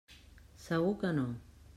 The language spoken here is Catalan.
Segur que no.